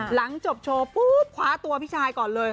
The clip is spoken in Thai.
หลังจบโชว์ปุ๊บคว้าตัวพี่ชายก่อนเลย